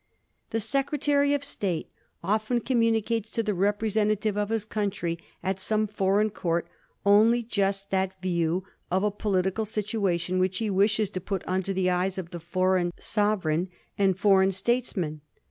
The Secretary of State often communicates to the representative of his country at some foreign court only just that view of a political situation which he wishes to put under the eyes of the foreign sovereign and foreign states men.